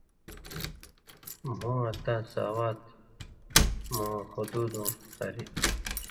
مھُوں تاں ساوات مُووؤں (حُدودٶں) ہاریۡ